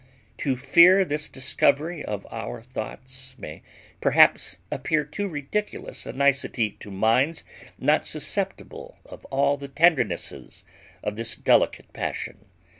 To fear this discovery of our thoughts may perhaps appear too ridiculous a nicety to minds not susceptible of all the tendernesses of this delicate passion.